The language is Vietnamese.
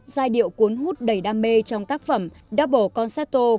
giai điệu cuốn hút đầy đam mê trong tác phẩm double concerto